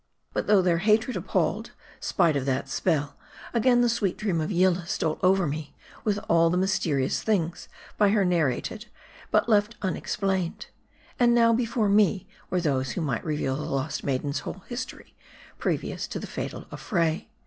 But though their hatred appalled, spite of that spell, again the sweet dream of Yillah stole over me, with all the M A R D I. 353 mysterious things by her narrated, but left unexplained. And now, before me were those who might reveal the lost maiden's whole history, previous to the fatal affray.